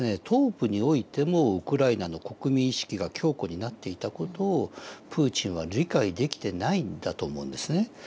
東部においてもウクライナの国民意識が強固になっていた事をプーチンは理解できてないんだと思うんですね。